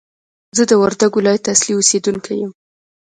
زه د وردګ ولایت اصلي اوسېدونکی یم!